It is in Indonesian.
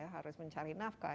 harus mencari nafkah